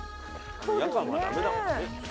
夜間は駄目だもんね。